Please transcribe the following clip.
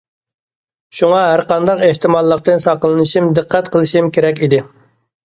شۇڭا ھەر قانداق ئېھتىماللىقتىن ساقلىنىشىم دىققەت قىلىشىم كېرەك ئىدى.